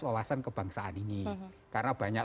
wawasan kebangsaan ini karena banyak